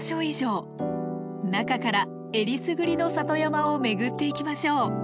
中からえりすぐりの里山を巡っていきましょう。